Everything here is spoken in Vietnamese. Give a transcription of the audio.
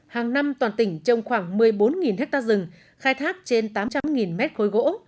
hàng năm toàn tỉnh trồng khoảng một mươi bốn ha rừng khai thác trên tám trăm linh mét khối gỗ